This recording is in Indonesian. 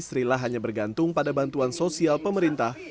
srila hanya bergantung pada bantuan sosial pemerintah